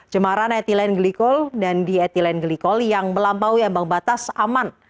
cemaran etilen glikol dan dietilen glikol yang melampaui ambang batas aman